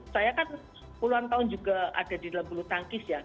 saya kan puluhan tahun juga ada di dalam bulu tangkis ya